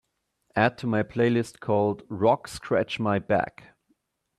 Add to my playlist called rock Scratch My Back